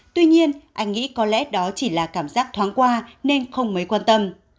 tuy nhiên anh nghĩ có lẽ đó chỉ là cảm giác thoáng qua nên không mấy quan tâm